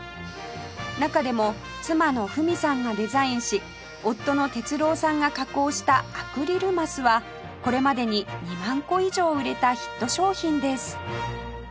中でも妻の冨美さんがデザインし夫の哲郎さんが加工したアクリル升はこれまでに２万個以上売れたヒット商品です